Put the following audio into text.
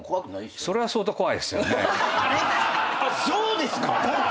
そうですか！